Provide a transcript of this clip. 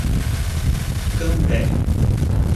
Cambé